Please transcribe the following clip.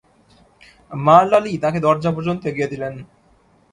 মারলা Lee তাঁকে দরজা পর্যন্ত এগিয়ে দিলেন।